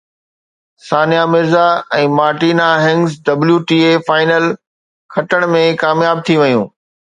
ثانيه Mirza ۽ Martina Hingis WTA final کٽڻ ۾ ڪامياب ٿي ويون